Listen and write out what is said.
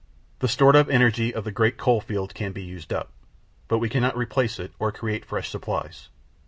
The stored up energy of the great coal fields can be used up, but we cannot replace it or create fresh supplies.